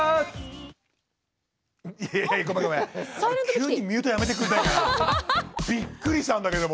急にミュートやめてくれないかな。びっくりしたんだけども。